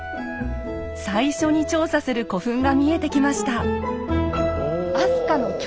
最初に調査する古墳が見えてきました。